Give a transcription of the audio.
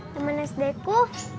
temen sd ku